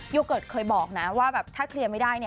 โยเกิร์ตเคยบอกนะว่าแบบถ้าเคลียร์ไม่ได้